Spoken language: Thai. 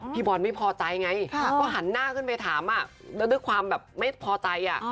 พี่บอลไม่พอใจไงก็หันหน้าขึ้นไปถามแล้วด้วยความแบบไม่พอใจ